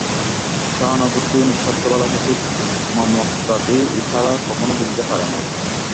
সহানুভূতি ও নিঃস্বার্থ ভালবাসার ঠিক মর্মকথাটি ইহারা কখনও বুঝিতে পারে না।